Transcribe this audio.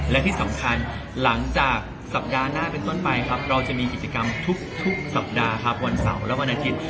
และที่สำคัญหลังจากสัปดาห์หน้าเป็นต้นไปครับเราจะมีกิจกรรมทุกสัปดาห์ครับวันเสาร์และวันอาทิตย์